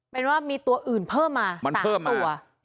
เป็นว่ามีตัวอื่นเพิ่มมา๓ตัว